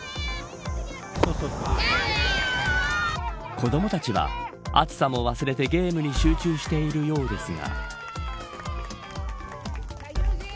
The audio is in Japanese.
子どもたちは、暑さも忘れてゲームに集中しているようですが。